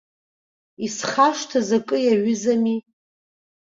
Исхашҭыз акы иаҩызами.